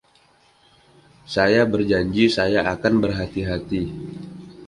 Saya berjanji, saya akan berhati-hati!